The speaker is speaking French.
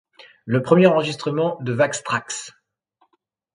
Le premier enregistrement de Wax Trax!